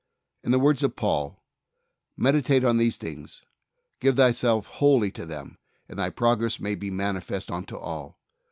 In the words of Paul, "Meditate on these things ; give thyself wholly to them, that thy progress may be manifest unto all."